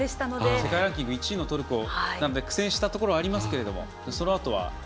世界ランキング１位のトルコに苦戦したところはありますけどそのあとは。